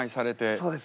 そうです。